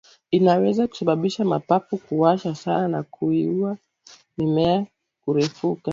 Inaweza kusababisha mapafu kuwasha sana na kuzuia mimea kurefuka